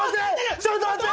ちょっと待って！